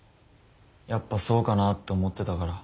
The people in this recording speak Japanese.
やっぱそうかなぁって思ってたから。